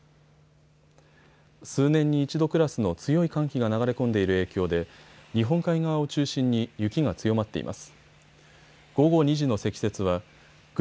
数年に一度クラスの強い寒気が流れ込んでいる影響で日本海側を中心に雪が強まっています。